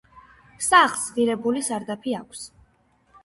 სახლს ღირებული სარდაფი აქვს.